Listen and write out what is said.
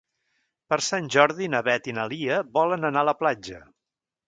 Per Sant Jordi na Beth i na Lia volen anar a la platja.